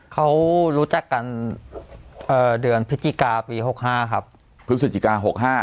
เขารู้จักกันเอ่อเดือนพฤศจิกาปีหกห้าครับพฤศจิกาหกห้า